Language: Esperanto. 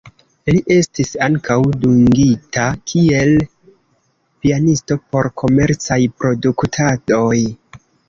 Li estis ankaŭ dungita kiel pianisto por komercaj produktadoj.